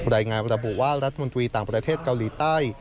รายงานระบุว่ารัฐมนตรีต่างประเทศเกาหลีใต้